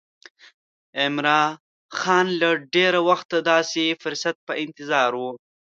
عمرا خان له ډېره وخته د داسې فرصت په انتظار و.